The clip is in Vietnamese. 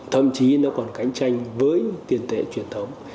thậm chí nó còn cạnh tranh với tiền tệ truyền thống